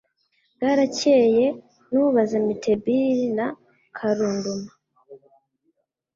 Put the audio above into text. Bwarakeye nu baza Mitebili na Karunduma